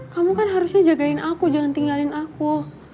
kamu kan harusnya jagain aku jangan tinggalin aku